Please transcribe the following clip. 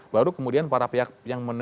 baru kemudian para pihak yang